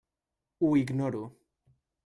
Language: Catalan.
Ho ignoro.